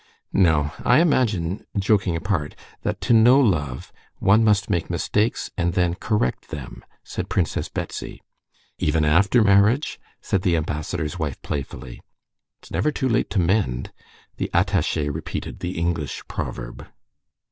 "No; I imagine, joking apart, that to know love, one must make mistakes and then correct them," said Princess Betsy. "Even after marriage?" said the ambassador's wife playfully. "'It's never too late to mend.'" The attaché repeated the English proverb.